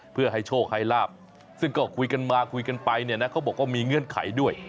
เพื่อให้โชคให้ลาบซึ่งก็คุยกันมาคุยกันไปเนี่ยนะเขาบอกว่ามีเงื่อนไขด้วย